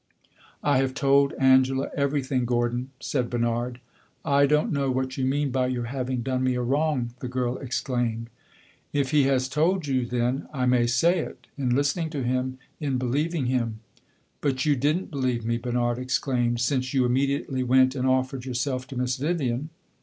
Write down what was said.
"I have told Angela everything, Gordon," said Bernard. "I don't know what you mean by your having done me a wrong!" the girl exclaimed. "If he has told you, then I may say it! In listening to him, in believing him." "But you did n't believe me," Bernard exclaimed, "since you immediately went and offered yourself to Miss Vivian!"